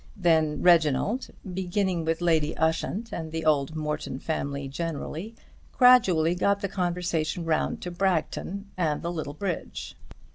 Then Reginald, beginning with Lady Ushant and the old Morton family generally, gradually got the conversation round to Bragton and the little bridge.